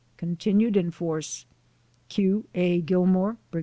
Continued in force. I. A. GILLMAN, Brig.